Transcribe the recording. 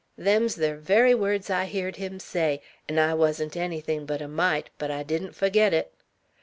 Them's ther very words I heered him say, 'n' I wuzn't ennythin' but a mite, but I didn't furgit it.